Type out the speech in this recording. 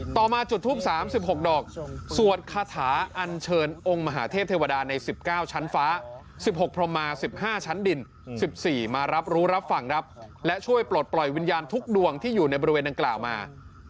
ต่อมาจุดทูป๓๖ดอกสวดคาถาอันเชิญองค์มหาเทพเทวดาใน๑๙ชั้นฟ้า๑๖พรมมา๑๕ชั้นดิน๑๔มารับรู้รับฟังครับและช่วยปลดปล่อยวิญญาณทุกดวงที่อยู่ในบริเวณดังกล่าวมา